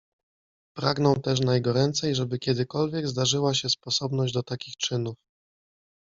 Pragnął też najgoręcej, żeby kiedykolwiek zdarzyła się sposobność do takich czynów.